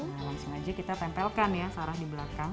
nah langsung aja kita tempelkan ya sarah di belakang